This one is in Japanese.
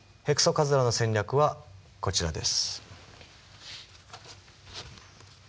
カズラの戦略はこちらです。